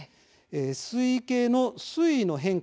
水位計の水位の変化